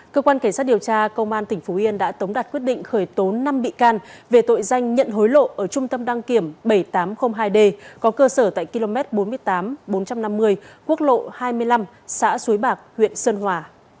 cơ quan cảnh sát điều tra công an tỉnh phú yên đã tống đạt quyết định khởi tố năm bị can về tội danh nhận hối lộ ở trung tâm đăng kiểm bảy nghìn tám trăm linh hai d có cơ sở tại km bốn mươi tám bốn trăm năm mươi quốc lộ hai mươi năm xã xuối bạc huyện sơn hòa